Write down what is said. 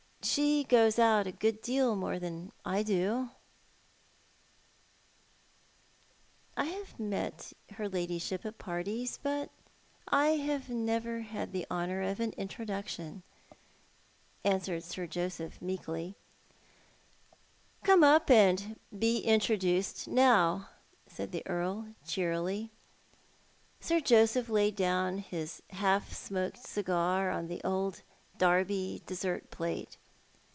" She goes out a good deal more than I do ?" i A Mariage de Convenajtce. 31 "I heave met her ladyship at parties, bxat I have never had the honour of an introduction," answered Sir Joseph, raeelcly. " Come up and be introduced now," said the Earl, cheerily* Sir Joseph Jaid down his half smoked cigar in the old Derby dessert plate.